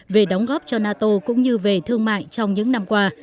về đóng góp cho nato cũng như về thương mại trong những năm qua